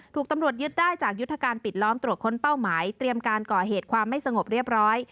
ตำรวจยึดได้จากยุทธการปิดล้อมตรวจค้นเป้าหมายเตรียมการก่อเหตุความไม่สงบเรียบร้อย